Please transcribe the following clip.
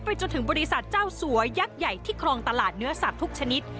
จนถึงบริษัทเจ้าสัวยักษ์ใหญ่ที่ครองตลาดเนื้อสัตว์ทุกชนิด